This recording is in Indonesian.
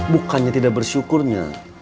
bukannya tidak bersyukurnya